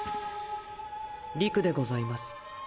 理玖でございます。